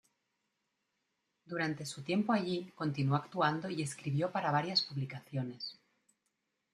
Durante su tiempo allí continuó actuando y escribió para varias publicaciones.